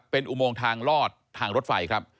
เป็นอุโมงทางลอดทางรถไฟครับ